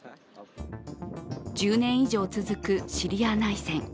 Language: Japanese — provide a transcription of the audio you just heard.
１０年以上続くシリア内戦。